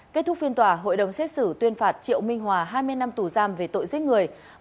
kết thúc phiên tòa hội đồng xét xử tuyên phạt triệu minh hòa hai mươi năm tù giam về tội giết người